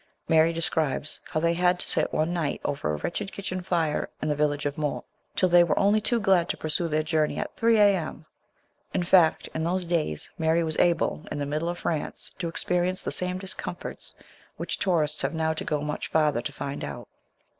Mary describes how they had to sit one night over a wretched kitchen fire in the village of Mort, till they were only too glad to pursue their journey at 3 A.M. In fact, in those days Mary was able, in the middle of France, to experience the same discomforts which tourists have now to go much farther to find out.